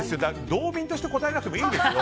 道民として答えなくてもいいんですよ。